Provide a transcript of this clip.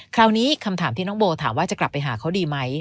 คราวนี้คำถามที่น้องโบถามว่าจะกลับไปหาเขาดีไหม